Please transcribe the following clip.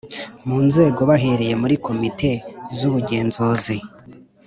mu nzego bahereye muri Komite zUbugenzuzi